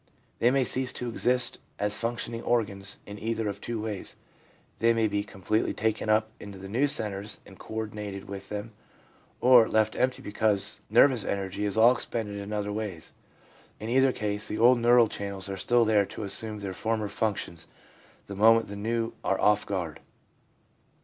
They may cease to exist as functioning organs in either of two ways ; they may be completely taken up into the new centres and co ordinated with them, or left empty because nervous energy is all expended in other ways. In either case, the old neural channels are still there to assume their former functions the moment the new are off guard.